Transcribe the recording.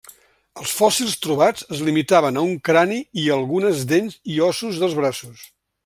Els fòssils trobats es limitaven a un crani i algunes dents i ossos dels braços.